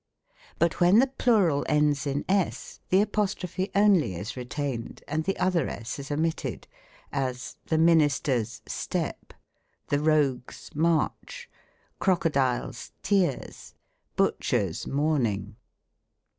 ETYMOLOGY. 87 But when the plural ends in s, the apostrophe only is retained, and the other s is omitted: as, ''The Minis ters' Step;" — "The Rogues' March;" — "Crocodiles' tears ;"— "Butchers' mourning."